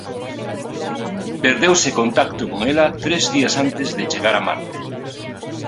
Perdeuse contacto con ela tres días antes de chegar a Marte.